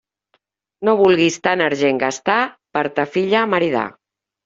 No vulguis tant argent gastar, per a ta filla maridar.